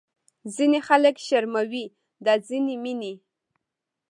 ځینې خلک شرموي دا ځینې مینې